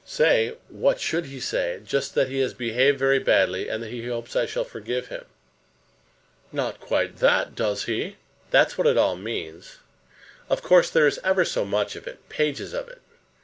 "Say; what should he say? just that he has behaved very badly, and that he hopes I shall forgive him." "Not quite that; does he?" "That's what it all means. Of course, there is ever so much of it, pages of it.